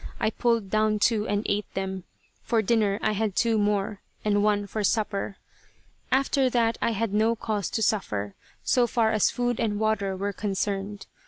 I pulled down two and ate them. For dinner I had two more, and one for supper. After that I had no cause to suffer, so far as food and water were concerned.